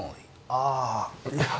ああ。